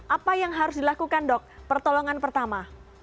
apa yang harus dilakukan dok pertolongan pertama